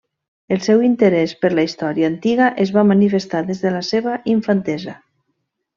El seu interès per la història antiga es va manifestar des de la seva infantesa.